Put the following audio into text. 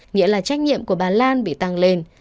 nghĩa là trách nhiệm của bà lan bị tăng lên